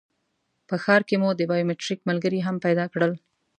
په ښار کې مو د بایومټریک ملګري هم پیدا کړل.